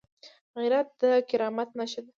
غیرت د کرامت نښه ده